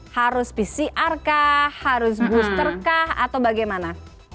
harus pcr kah harus booster kah atau bagaimana